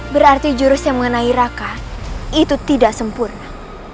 berarti jurus yang mengenai raka itu tidak sempurna